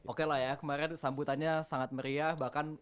oke lah ya kemarin sambutannya sangat meriah